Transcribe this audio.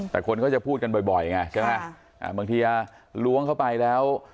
แต่คนก็จะพูดกันบ่อยไงใช่ไหมบางทีล้วงเข้าไปแล้ว